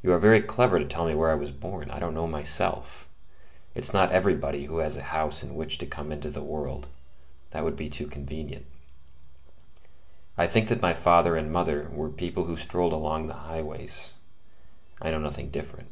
You are very clever to tell me where I was born; I don't know myself: it's not everybody who has a house in which to come into the world; that would be too convenient. I think that my father and mother were people who strolled along the highways; I know nothing different.